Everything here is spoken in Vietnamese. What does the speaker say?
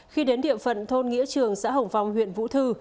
khi đến địa phận thôn nghĩa trường xã hồng phong huyện vũ thư